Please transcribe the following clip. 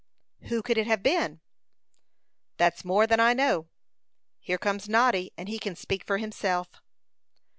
"Who could it have been?" "That's more than I know. Here comes Noddy, and he can speak for himself."